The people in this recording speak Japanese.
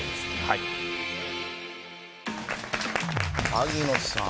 萩野さん。